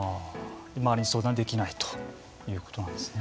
周りに相談できないということなんですね。